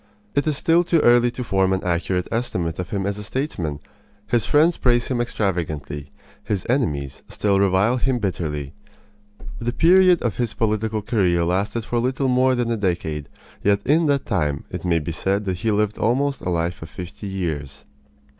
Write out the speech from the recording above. It is still too early to form an accurate estimate of him as a statesman. His friends praise him extravagantly. His enemies still revile him bitterly. The period of his political career lasted for little more than a decade, yet in that time it may be said that he lived almost a life of fifty years.